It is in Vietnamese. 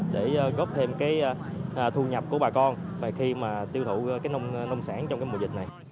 để góp thêm cái thu nhập của bà con và khi mà tiêu thụ cái nông sản trong cái mùa dịch này